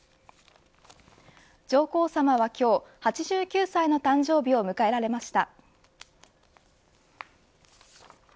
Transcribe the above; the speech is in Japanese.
上皇さまは今日８９歳の誕生日を迎えられました。